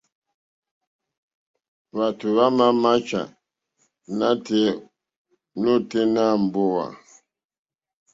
Hwátò hwámà máchá nátɛ̀ɛ̀ nôténá mbówà.